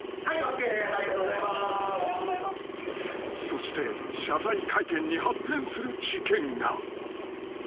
［そして謝罪会見に発展する事件が］